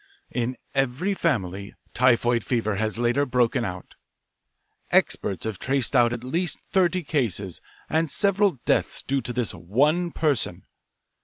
"In every family typhoid fever has later broken out. Experts have traced out at least thirty, cases and several deaths due to this one person.